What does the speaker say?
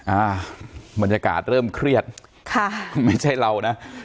อ่าบรรยากาศเริ่มเครียดค่ะไม่ใช่เรานะ